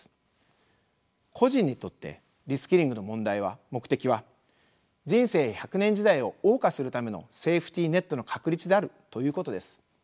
個人にとってリスキリングの目的は人生１００年時代をおう歌するためのセーフティーネットの確立であるということです。